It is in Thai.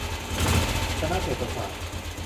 คณะเศรษฐศาสตร์